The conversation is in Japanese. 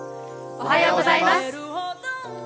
おはようございます。